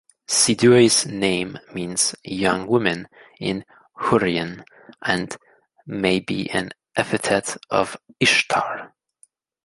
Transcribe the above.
Siduri's name means "young woman" in Hurrian, and may be an epithet of Ishtar.